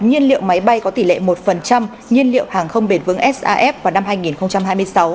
nhiên liệu máy bay có tỷ lệ một nhiên liệu hàng không bền vững s a f vào năm hai nghìn hai mươi sáu